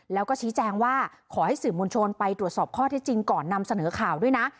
แล้วก็ชี้แจงว่าขอให้สื่อมวลชนไปตรวจสอบข้อที่จริงก่อนนำเสนอข่าวด้วยนะ